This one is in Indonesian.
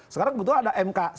sekarang butuh ada mk